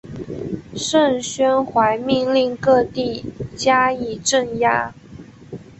盛宣怀命令各地加以镇压。